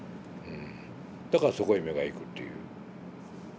だからそこへ目が行くっていう。